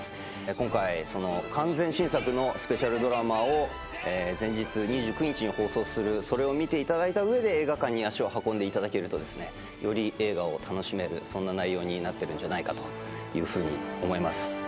今回完全新作のスペシャルドラマを前日２９日に放送するそれを見ていただいた上で映画館に足を運んでいただけるとですねより映画を楽しめるそんな内容になってるんじゃないかというふうに思います